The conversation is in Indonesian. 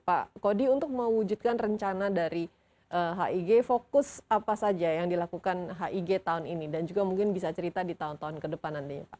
pak kodi untuk mewujudkan rencana dari hig fokus apa saja yang dilakukan hig tahun ini dan juga mungkin bisa cerita di tahun tahun ke depan nantinya pak